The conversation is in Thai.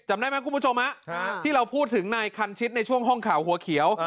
จำได้ไหมคุณผู้ชมที่เราพูดถึงนายคันชิดในช่วงห้องข่าวหัวเขียว